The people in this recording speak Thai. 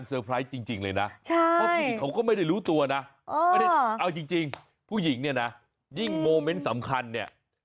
เอาจริงผู้หญิงเนี่ยนะยิ่งโมเม้นท์สำคัญเนี่ย